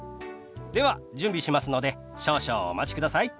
では準備しますので少々お待ちください。